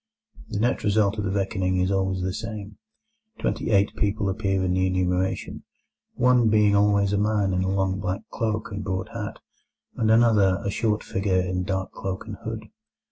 The net result of the reckoning is always the same. Twenty eight people appear in the enumeration, one being always a man in a long black cloak and broad hat, and another a "short figure in dark cloak and hood".